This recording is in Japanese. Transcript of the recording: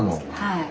はい。